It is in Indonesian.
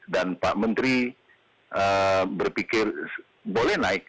dan pak menteri berpikir boleh naik